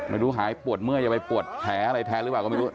ไม่รู้หายปวดเมื่อยจะไปปวดแท้อะไรแท้หรือเปล่าก็ไม่รู้